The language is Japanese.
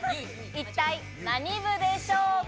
一体何部でしょうか？